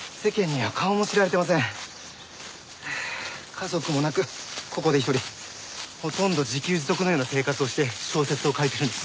はあ家族もなくここで一人ほとんど自給自足のような生活をして小説を書いているんです。